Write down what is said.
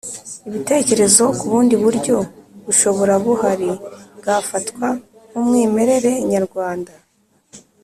Ibitekerezo ku bundi buryo bushobora buhari bwafatwa nk umwimerere nyarwanda